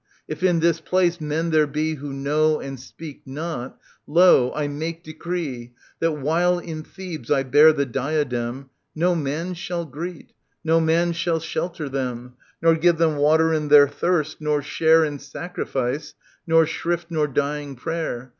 — If in this place men there be Who know and speak not, lo, I make decree That, while in Thebes I bear the diadem. No man shall greet, no man shall shelter them, Nor give them water in their thirst, nor share In sacrifice nor shrift nor dying prayer.